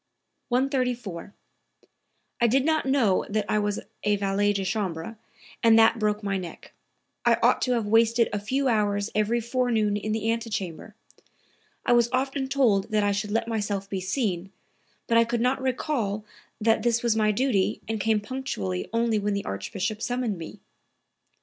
134. "I did not know that I was a valet de chambre, and that broke my neck. I ought to have wasted a few hours every forenoon in the antechamber. I was often told that I should let myself be seen, but I could not recall that this was my duty and came punctually only when the Archbishop summoned me."